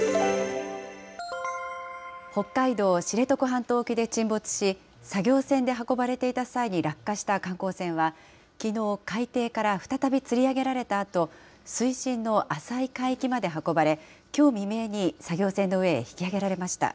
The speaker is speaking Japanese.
北海道知床半島沖で沈没し、作業船で運ばれていた際に落下した観光船は、きのう、海底から再びつり上げられたあと、水深の浅い海域まで運ばれ、きょう未明に作業船の上へ引き揚げら